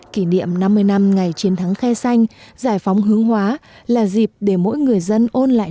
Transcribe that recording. kỷ niệm năm mươi năm ngày chiến thắng khe xanh giải phóng hướng hóa là dịp để mỗi người dân ôn lại